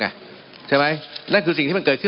มันมีมาต่อเนื่องมีเหตุการณ์ที่ไม่เคยเกิดขึ้น